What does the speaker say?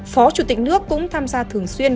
phó chủ tịch nước cũng tham gia thường xuyên